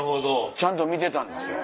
ちゃんと見てたんですよ。